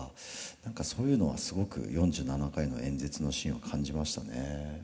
何かそういうのはすごく４７回の演説のシーンは感じましたね。